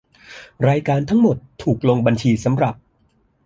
รายการทั้งหมดถูกลงบัญชีสำหรับ